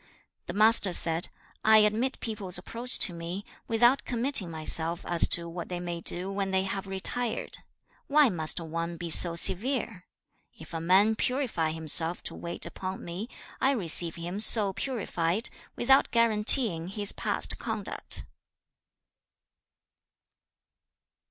2. The Master said, 'I admit people's approach to me without committing myself as to what they may do when they have retired. Why must one be so severe? If a man purify himself to wait upon me, I receive him so purified, without guaranteeing his past conduct.'